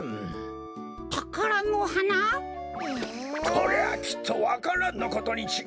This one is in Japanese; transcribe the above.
こりゃあきっとわか蘭のことにちがいない。